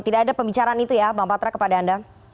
tidak ada pembicaraan itu ya bang patra kepada anda